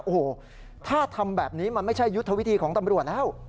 โอ้โหถ้าทำแบบนี้มันไม่ใช่ยุทธวิธีของตำรวจแล้ว